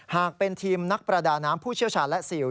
หากเป็นทีมนักประดาน้ำผู้เชี่ยวชาญและซิล